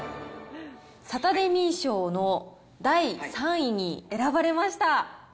サタデミー賞の第３位に選ばれました。